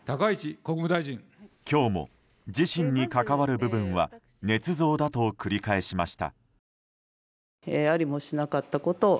今日も、自身に関わる部分はねつ造だと繰り返しました。